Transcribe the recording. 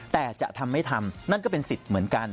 แต่จะทำไม่ทำนั่นก็เป็นสิทธิ์เหมือนกัน